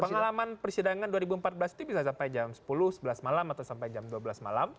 pengalaman persidangan dua ribu empat belas itu bisa sampai jam sepuluh sebelas malam atau sampai jam dua belas malam